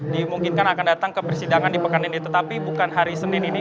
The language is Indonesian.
dimungkinkan akan datang ke persidangan di pekan ini tetapi bukan hari senin ini